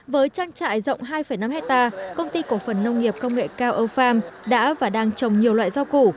với trang trại rộng hai năm hectare công ty cổ phần nông nghiệp công nghệ cao âu pham đã và đang trồng nhiều loại rau củ